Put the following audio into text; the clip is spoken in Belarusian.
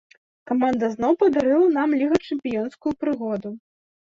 Каманда зноў падарыла нам лігачэмпіёнскую прыгоду.